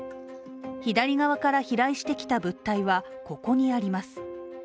左側から飛来してきた物体はここにあります。